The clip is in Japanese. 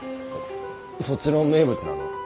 そっちの名物なの？